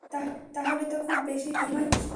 তাহলে তো খুব বেশি সময় বাকি নেই।